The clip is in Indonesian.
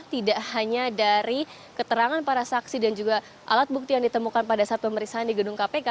tidak hanya dari keterangan para saksi dan juga alat bukti yang ditemukan pada saat pemeriksaan di gedung kpk